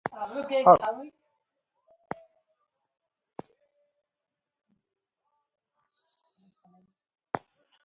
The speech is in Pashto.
آب وهوا د افغانستان د موسم د بدلون سبب کېږي.